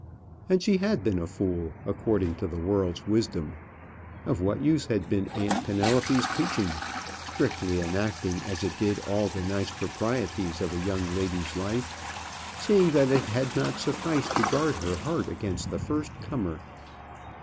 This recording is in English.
And she had been a fool according to the world's wisdom. Of what use had been Aunt Penelope's teaching, strictly enacting as it did all the nice proprieties of young lady life, seeing that it had not sufficed to guard her heart against the first comer?